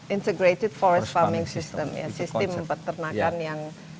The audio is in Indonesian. integrated forest farming system ya sistem peternakan yang